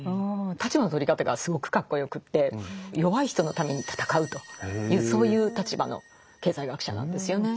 立場の取り方がすごくかっこよくて弱い人のために戦うというそういう立場の経済学者なんですよね。